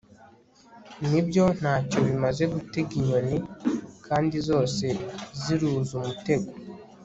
ni byo, nta cyo bimaze gutega inyoni,.kandi zose ziruzi umutego